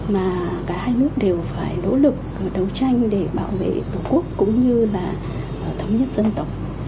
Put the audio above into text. mà cả hai nước đều phải nỗ lực đấu tranh để bảo vệ tổ quốc cũng như là thống nhất dân tộc